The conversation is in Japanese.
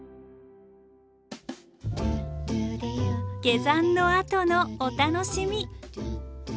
下山のあとのお楽しみ。